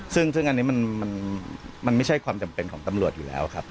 ซึ่งอันนี้มันไม่ใช่ความจำเป็นของตำรวจอยู่แล้วครับ